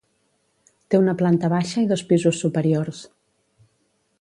Té una planta baixa i dos pisos superiors.